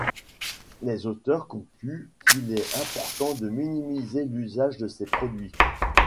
Les auteurs concluent qu'il est important de minimiser l'usage de ces produits.